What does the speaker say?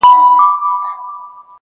• هم راته غم راکړه ته، او هم رباب راکه.